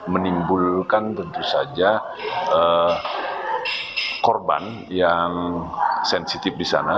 menimbulkan tentu saja korban yang sensitif di sana